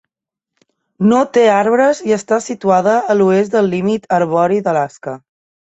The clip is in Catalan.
No té arbres i està situada a l'oest del límit arbori d'Alaska.